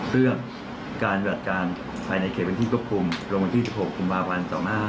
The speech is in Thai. เรื่องการหวัดการไปในเขตพื้นที่ควบคุมโรงวันที่๑๖คุมภาควัน๒๕๖๐